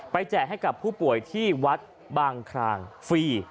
แจกให้กับผู้ป่วยที่วัดบางครางฟรี